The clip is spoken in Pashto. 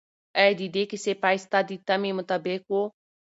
آیا د دې کیسې پای ستا د تمې مطابق و؟